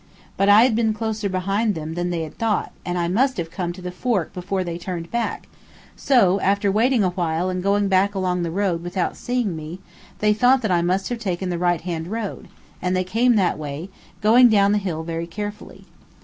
But I had been closer behind them than they thought, and I must have come to the fork before they turned back, so, after waiting a while and going back along the road without seeing me, they thought that I must have taken the right hand road, and they came that way, going down the hill very carefully.